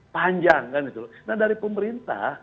panjang kan itu nah dari pemerintah